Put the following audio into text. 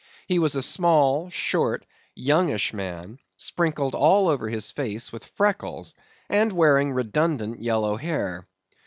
He was a small, short, youngish man, sprinkled all over his face with freckles, and wearing redundant yellow hair.